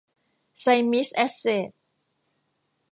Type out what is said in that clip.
ไซมิส แอสเสท